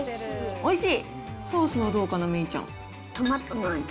おいしい？